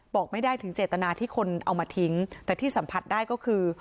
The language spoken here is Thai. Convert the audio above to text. บอกไม่ได้ถึงเจตนาที่คนเอามาทิ้งแต่ที่สัมผัสได้ก็คือ